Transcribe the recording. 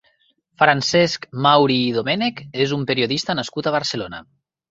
Francesc Mauri i Domènech és un periodista nascut a Barcelona.